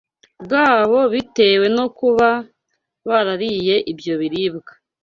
bwabo bitewe no kuba barariye ibyo biribwa.